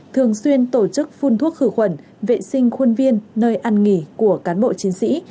thường xuyên tổ chức phun thuốc khử khuẩn vệ sinh khuôn viên nơi ăn nghỉ của cán bộ chiến sĩ